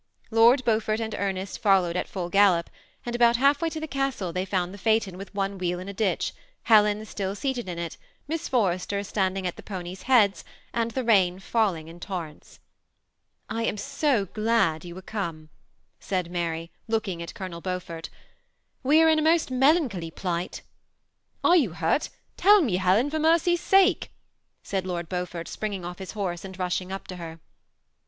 Lord Beau fort and Ernest followed at full gallop, and about half way to the castle they found the phaeton with one wheel in a ditch, Helen still seated in it. Miss For rester standing at the ponies' heads, and the rain faUr ing in torrents. ''I am so glad you are come," said Mary, looking at Colonel Beaufort; '<we are in a most melancholy plight." "Are you hurt? tell me, Helen, for mercy's sake," said Lord Beaufort, springing off his horse, and rush ing up to her.